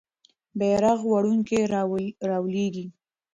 بیرغ وړونکی رالویږي.